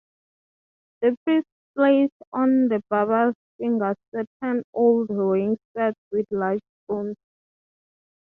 The priests place on the barber's fingers certain old rings set with large stones.